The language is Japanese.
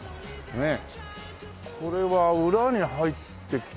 ねえ。